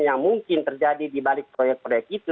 yang mungkin terjadi di balik proyek proyek itu